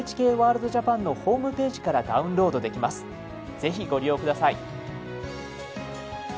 ぜひご利用下さい。